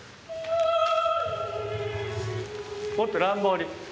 もっと乱暴に。